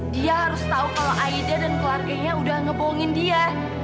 dia harus tahu kalau aida dan keluarganya udah ngebohongin dia